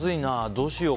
どうしよう？